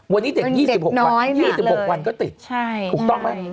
วันนี้เด็ก๒๖วัน๒๖วันก็ติดถูกต้องไหม